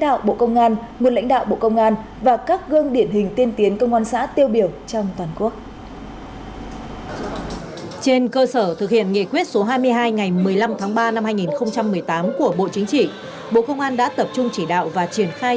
từ ngày một mươi năm tháng ba năm hai nghìn một mươi tám của bộ chính trị bộ công an đã tập trung chỉ đạo và triển khai